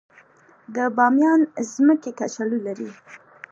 د بامیان ځمکې کچالو لري